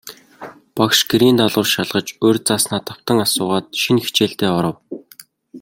Багш гэрийн даалгавар шалгаж, урьд зааснаа давтан асуугаад, шинэ хичээлдээ оров.